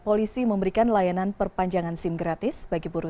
polisi memberikan layanan perpanjangan sim gratis bagi buruh